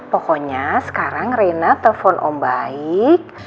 pokoknya sekarang rena telepon om baik